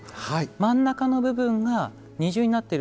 真ん中の部分が二重になってる。